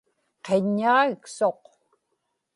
qiññaġiksuq